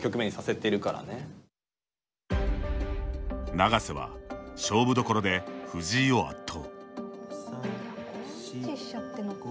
永瀬は勝負どころで藤井を圧倒。